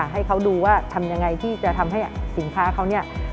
ให้เขาดูว่าทำยังไงที่จะทำให้สินค้าเขาเนี่ย